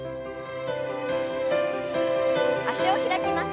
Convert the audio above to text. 脚を開きます。